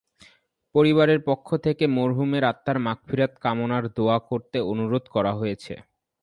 পরিবারের পক্ষ থেকে মরহুমের আত্মার মাগফিরাত কামনায় দোয়া করতে অনুরোধ করা হয়েছে।